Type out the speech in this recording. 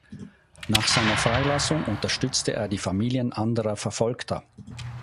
Nach seiner Freilassung unterstützte er die Familien anderer Verfolgter.